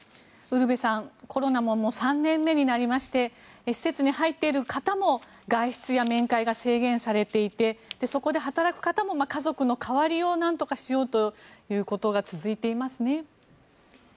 ウルヴェさんコロナも３年目になりまして施設に入っている方も外出や面会が制限されていてそこで働く方も家族の代わりをなんとかしようということが続いていますね。